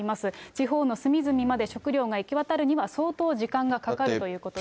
地方の隅々まで食糧が行き渡るには、相当時間がかかるということです。